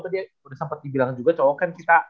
tadi udah sempat dibilang juga cowok kan kita